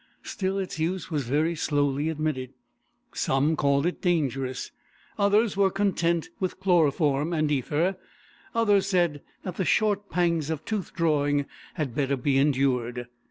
Still, its use was very slowly admitted. Some called it dangerous, others were content with chloroform and ether, others said that the short pangs of tooth drawing had better be endured.